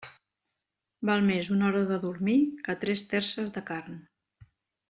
Val més una hora de dormir que tres terces de carn.